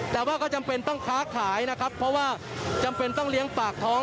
แต่ว่าก็จำเป็นต้องค้าขายนะครับเพราะว่าจำเป็นต้องเลี้ยงปากท้อง